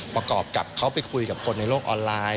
ประกอบกับเขาไปคุยกับคนในโลกออนไลน์